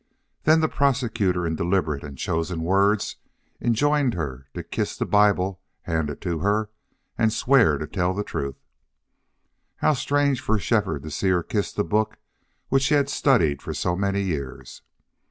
Then the prosecutor in deliberate and chosen words enjoined her to kiss the Bible handed to her and swear to tell the truth. How strange for Shefford to see her kiss the book which he had studied for so many years!